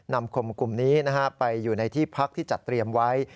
นำคนกลุ่มนี้ไปอยู่ในที่พักที่จัดเตรียมไว้